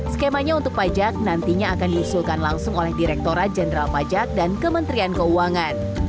skemanya untuk pajak nantinya akan diusulkan langsung oleh direkturat jenderal pajak dan kementerian keuangan